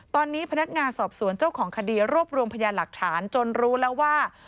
ตอนนี้พนักงานสอบสวนเจ้าของคดีรวบรวมพยานหลักฐานจนรู้แล้วว่า